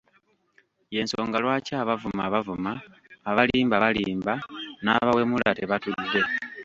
Y’ensonga lwaki abavuma bavuma, abalimba balimba n’abawemula tebatudde!